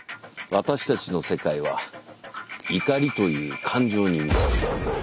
私たちの世界は「怒り」という感情に満ちている。